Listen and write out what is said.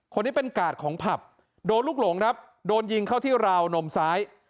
คนนี้เป็นกาดของผับโดนลูกหลงครับโดนยิงเข้าที่ราวนมซ้าย